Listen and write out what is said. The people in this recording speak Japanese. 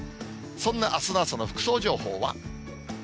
そんなあすの朝の服装情報は。